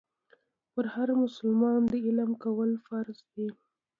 پر هر مسلمان د علم کول فرض دي.